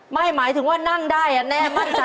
หมายถึงว่านั่งได้แน่มั่นใจ